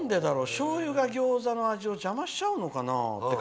しょうゆがギョーザの味を邪魔しちゃうのかな？